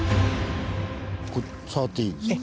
これ触っていいですか？